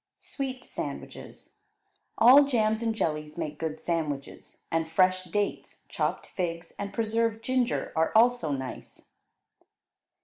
Sweet Sandwiches All jams and jellies make good sandwiches, and fresh dates, chopped figs, and preserved ginger are also nice.